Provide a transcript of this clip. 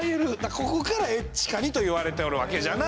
ここからエッチガニと言われておるわけじゃな。